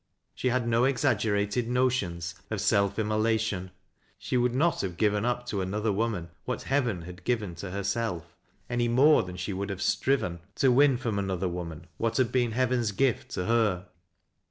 She had no exaggerated notions of self immolation. She would not have given up to another woman what Heaver Lad given to herself, any more than she would have striven HIBBONa. 135 to win fi'om another woman what had been Heaven's gift to her.